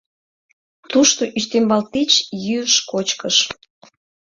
Тушто ӱстембал тич йӱыш-кочкыш.